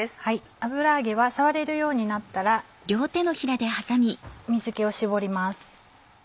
油揚げは触れるようになったら水気を絞ります。